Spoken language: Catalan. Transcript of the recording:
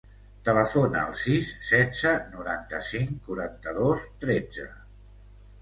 Telefona al sis, setze, noranta-cinc, quaranta-dos, tretze.